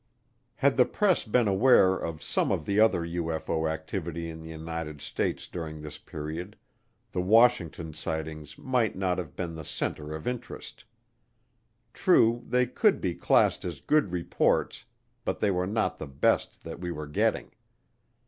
Had the press been aware of some of the other UFO activity in the United States during this period, the Washington sightings might not have been the center of interest. True, they could be classed as good reports but they were not the best that we were getting.